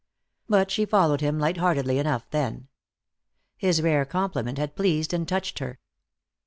But she followed him light heartedly enough then. His rare compliment had pleased and touched her.